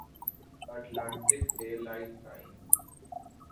Atlantic daylight time